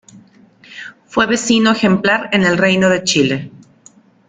Fue vecino ejemplar en el Reino de Chile.